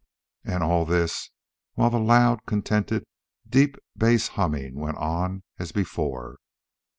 And all this while the loud, contented, deep bass humming went on as before.